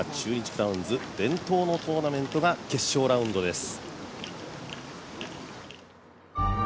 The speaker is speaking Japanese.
クラウンズ、伝統のトーナメント、決勝ラウンドです。